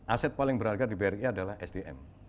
aset paling berharga di bri adalah sdm